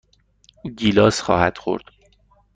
او گیلاس خواهد خورد.